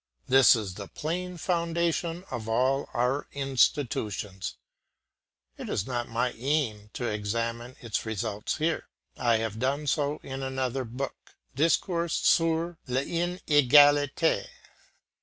This is the plain foundation of all our institutions. It is not my aim to examine its results here; I have done so in another book (Discours sur l'inegalite).